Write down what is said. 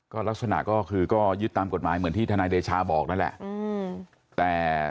ก็ลักษณะก็คือก็ยึดตามกฎหมายเหมือนที่ทนายเดชาบอกนั่นแหละ